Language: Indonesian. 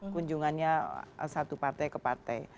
kunjungannya satu partai ke partai